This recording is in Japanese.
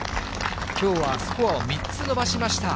きょうはスコアを３つ伸ばしました。